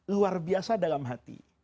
luar biasa dalam hati